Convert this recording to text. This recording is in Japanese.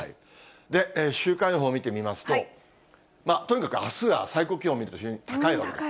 週間予報見てみますと、とにかくあすが最高気温見ると、非常に高いわけです。